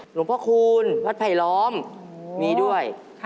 หลวงพ่อคูณวัดไผลล้อมมีด้วย